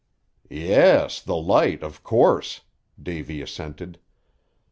"Yes, the light, of course," Davy assented.